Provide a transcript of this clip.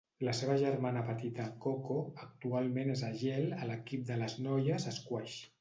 La seva germana petita, Coco, actualment és a Yale a l'equip de les noies Squash.